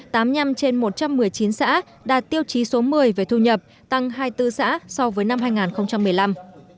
tám mươi năm trên một trăm một mươi chín xã đạt tiêu chí số một mươi về thu nhập tăng hai mươi bốn xã so với năm hai nghìn một mươi năm